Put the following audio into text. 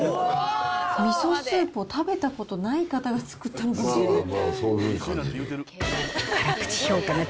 味噌スープを食べたことがない方が作ったのかもしれない。